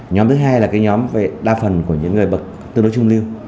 nhóm thứ hai là cái nhóm đa phần của những người bậc tương đối trung lưu